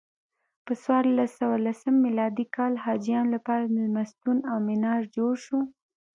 په څوارلس سوه لسم میلادي کال حاجیانو لپاره میلمستون او منار جوړ شو.